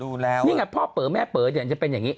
รู้แล้วนี่ไงพ่อเป๋อแม่เป๋อจะเป็นอย่างนี้